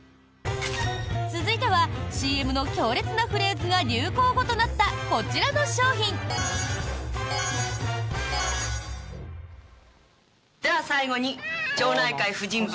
続いてはＣＭの強烈なフレーズが流行語となった、こちらの商品！では最後に町内会婦人部